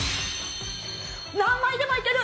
何枚でもいける！